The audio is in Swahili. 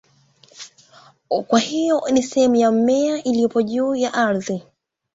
Kwa hiyo ni sehemu ya mmea iliyopo juu ya ardhi.